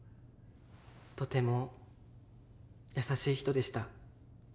とても優しい人でした。